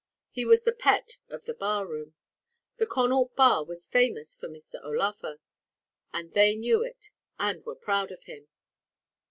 He was the pet of the barroom. The Connaught bar was famous for Mr. O'Laugher; and they knew it, and were proud of him.